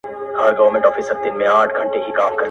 ګلکده به ستا تر پښو لاندي بیدیا سي-